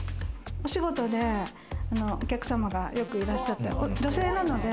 お仕事でお客様がよくいらっしゃるので。